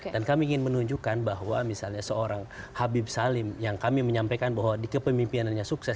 dan kami ingin menunjukkan bahwa misalnya seorang habib salim yang kami menyampaikan bahwa di kepemimpinannya sukses